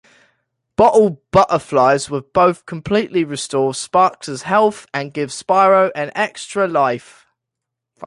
Bottled butterflies will both completely restore Sparx's health and give Spyro an extra life.